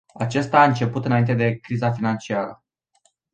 Acesta a început înainte de criza financiară.